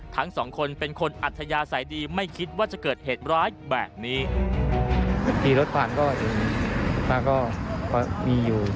ทั้งสองคนเป็นคนอัธยาศัยดีไม่คิดว่าจะเกิดเหตุร้ายแบบนี้ที่รถผ่านก็เห็นแล้วก็มีอยู่